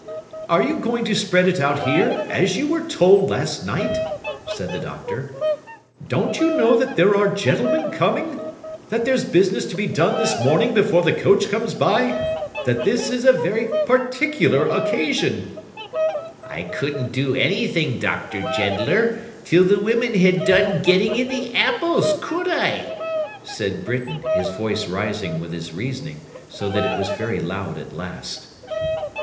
'Are you going to spread it out here, as you were told last night?' said the Doctor. 'Don't you know that there are gentlemen coming? That there's business to be done this morning, before the coach comes by? That this is a very particular occasion?' 'I couldn't do anything, Dr. Jeddler, till the women had done getting in the apples, could I?' said Britain, his voice rising with his reasoning, so that it was very loud at last.